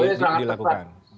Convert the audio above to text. boleh sangat tepat